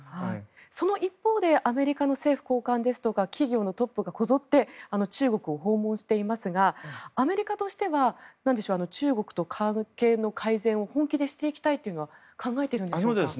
その一方でアメリカの政府高官ですとか企業のトップがこぞって中国を訪問していますがアメリカとしては中国と関係改善を本気でしていきたいと考えているんでしょうか？